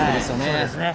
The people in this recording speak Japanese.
そうですね。